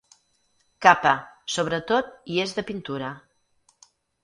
Capa, sobretot i és de pintura.